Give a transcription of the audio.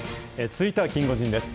続いてはキンゴジンです。